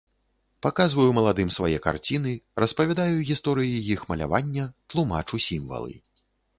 Паказваю маладым свае карціны, распавядаю гісторыі іх малявання, тлумачу сімвалы.